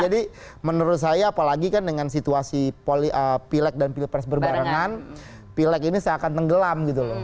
jadi menurut saya apalagi kan dengan situasi pilek dan pilpres berbarengan pilek ini seakan tenggelam gitu loh